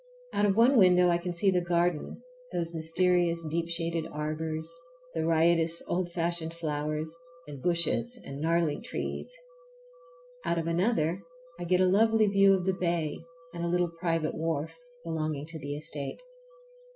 Out of one window I can see the garden, those mysterious deep shaded arbors, the riotous old fashioned flowers, and bushes and gnarly trees. Out of another I get a lovely view of the bay and a little private wharf belonging to the estate.